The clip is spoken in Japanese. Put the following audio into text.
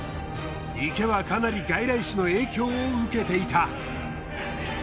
池はかなり外来種の影響を受けていた。